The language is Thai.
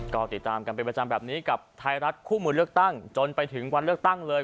ก็ติดตามกันเป็นประจำแบบนี้กับไทยรัฐคู่มือเลือกตั้งจนไปถึงวันเลือกตั้งเลย